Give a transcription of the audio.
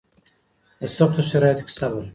په سختو شرایطو کې صبر